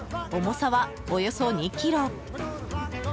重さは、およそ２ｋｇ。